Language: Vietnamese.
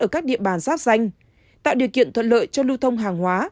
ở các địa bàn giáp danh tạo điều kiện thuận lợi cho lưu thông hàng hóa